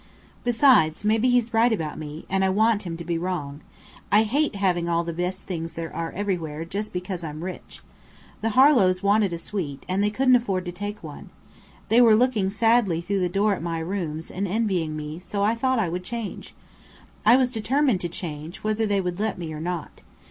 Besides, maybe he's right about me and I want him to be wrong. I hate having all the best things there are everywhere, just because I'm rich. The Harlows wanted a suite, and they couldn't afford to take one. They were looking sadly through the door at my rooms and envying me, so I thought I would change. I was determined to change, whether they would let me or not.